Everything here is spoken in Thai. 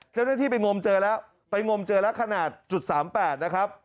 เจ้าหน้าที่ไปงมเจอแล้วไปงมเจอแล้วขนาดจุด๓๘นะครับ